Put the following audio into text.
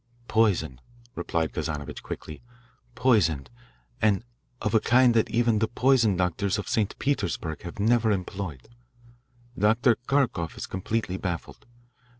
"Poison," replied Kazanovitch quickly. "Poison, and of a kind that even the poison doctors of St. Petersburg have never employed. Dr. Kharkoff is completely baffled.